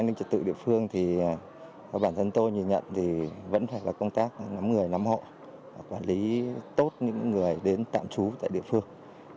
an ninh trật tự địa phương thì bản thân tôi nhìn nhận thì vẫn phải là công tác nắm người nắm hộ quản lý tốt những người đến tạm trú tại địa phương